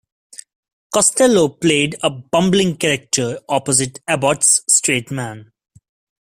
Costello played a bumbling character opposite Abbott's straight man.